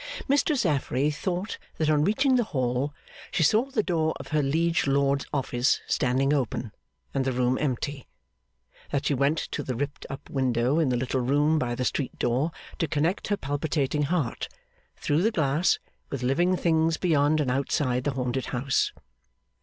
Mistress Affery thought that on reaching the hall, she saw the door of her liege lord's office standing open, and the room empty. That she went to the ripped up window in the little room by the street door to connect her palpitating heart, through the glass, with living things beyond and outside the haunted house.